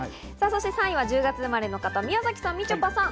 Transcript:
３位は１０月生まれの方、宮崎さん、みちょぱさん。